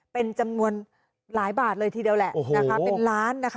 เป็นจำนวนหลายบาทเลยทีเดียวแหละนะคะเป็นล้านนะคะ